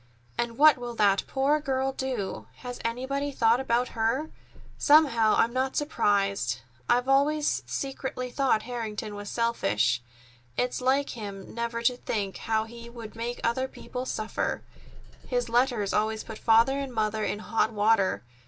And what will that poor girl do? Has anybody thought about her? Somehow, I'm not surprised. I've always secretly thought Harrington was selfish. It's like him never to think how he would make other people suffer. His letters always put Father and Mother in hot water.